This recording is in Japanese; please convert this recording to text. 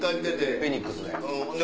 フェニックスで。